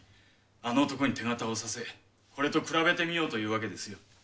あの男に手形をおさせこれと比べてみようというわけですよ。